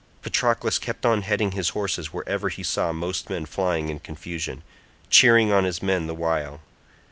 Patroclus kept on heading his horses wherever he saw most men flying in confusion, cheering on his men the while.